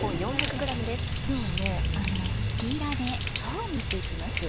今日は皮をむいて行きます。